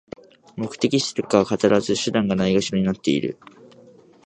目的しか語らず、手段がないがしろになってる